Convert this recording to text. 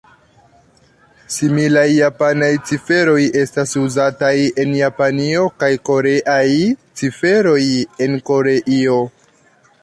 Similaj japanaj ciferoj estas uzataj en Japanio kaj koreaj ciferoj en Koreio.